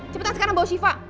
cepetan sekarang bawa syifa